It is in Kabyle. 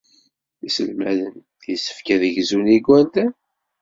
Iselmaden yessefk ad gzun igerdan.